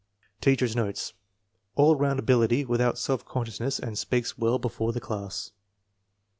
Teacher's notes. . All round ability. Without self consciousness and speaks well before the class.